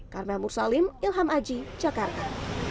karmel mursalim ilham aji jakarta